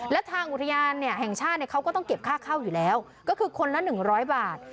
และทางอุทยานแห่งชาติเขาก็ต้องเก็บค่าเข้าอยู่แล้วก็คือคนละ๑๐๐บาท